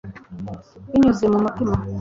binyuze mumutima